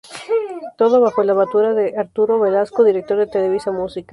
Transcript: Todo bajo la batuta de Arturo Velasco, Director de Televisa Música.